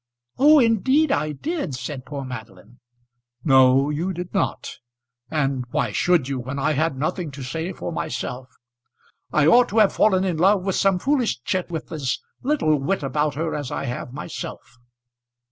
"Oh, indeed I did," said poor Madeline. "No, you did not. And why should you when I had nothing to say for myself? I ought to have fallen in love with some foolish chit with as little wit about her as I have myself."